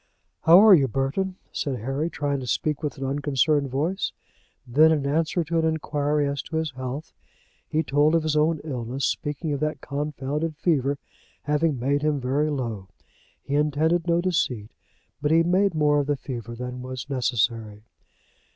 "How are you, Burton?" said Harry, trying to speak with an unconcerned voice. Then in answer to an inquiry as to his health, he told of his own illness, speaking of that confounded fever having made him very low. He intended no deceit, but he made more of the fever than was necessary.